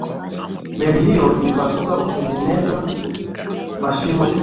meli hiyo ilipasuka kwa kutengeneza mashimo sita